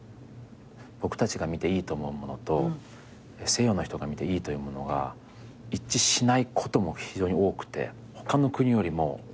僕たちが見ていいと思うものと西洋の人が見ていいというものが一致しないことも非常に多くて他の国よりも。